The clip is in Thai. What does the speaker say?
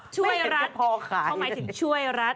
ช่วยรัฐเขาหมายถึงช่วยรัฐ